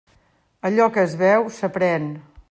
Allò que es veu, s'aprèn.